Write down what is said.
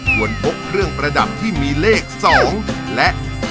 พกเครื่องประดับที่มีเลข๒และ